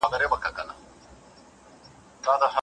د اجل د ساقي ږغ ژوندون ته دام وو